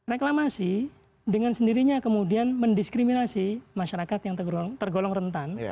reklamasi dengan sendirinya kemudian mendiskriminasi masyarakat yang tergolong rentan